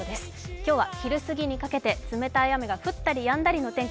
今日は昼すぎにかけて冷たい雨が降ったりやんだりの天気。